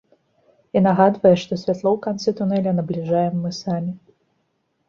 І нагадвае, што святло ў канцы тунэля набліжаем мы самі.